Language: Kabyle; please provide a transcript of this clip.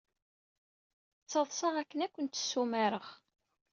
Ttaḍsaɣ akken ad kent-ssumareɣ.